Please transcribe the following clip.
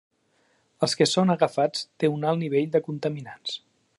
Els que són agafats té un alt nivell de contaminants.